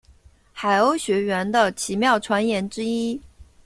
海鸥学园的奇妙传言之一。